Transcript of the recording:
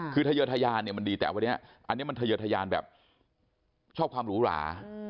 คือทะเยอะทะยานเนี่ยมันดีแต่วันนี้อันนี้มันทะเยอทยานแบบชอบความหรูหรา